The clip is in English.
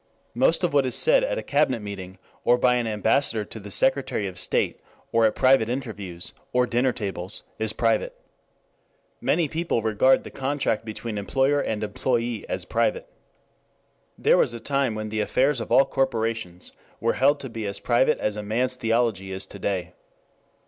Most of what is said at a cabinet meeting, or by an ambassador to the Secretary of State, or at private interviews, or dinner tables, is private. Many people regard the contract between employer and employee as private. There was a time when the affairs of all corporations were held to be as private as a man's theology is to day.